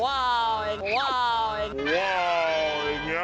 วาวแบบนี้